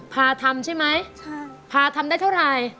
พาทำใช่ไหมพาทำได้เท่าไหร่